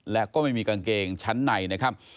และก็ไม่มีกางเกงชั้นในนะครับ